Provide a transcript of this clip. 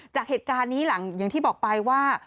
จากเหตุการณ์นี้หลังอย่างที่บอกไปว่า